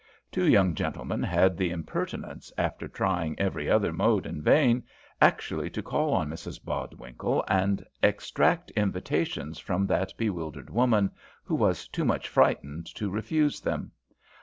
Two young gentlemen had the impertinence, after trying every other mode in vain, actually to call on Mrs Bodwinkle, and extract invitations from that bewildered woman, who was too much frightened to refuse them.